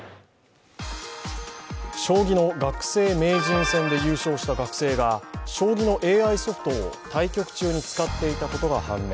将棋の学生名人戦で優勝した学生が将棋のＡＩソフトを対局中に使っていたことが判明。